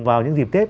vào những dịp tết